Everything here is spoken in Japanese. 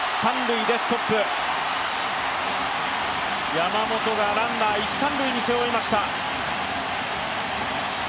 山本がランナー一・三塁に背負いました。